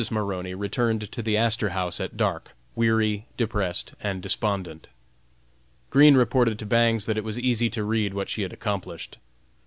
Maroney returned to the Astor House at dark, weary, depressed, and despondent. Green reported to Bangs that it was easy to read what she had accomplished.